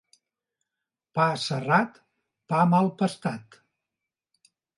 Pa serrat, pa mal pastat.